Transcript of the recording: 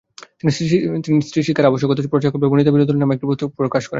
তিনি স্ত্রীশিক্ষার আবশ্যকতা প্রচারকল্পে বনিতাবিনোদন নামে একটি পুস্তক প্রকাশ করেন।